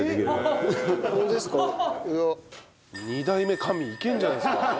２代目神いけるんじゃないですか？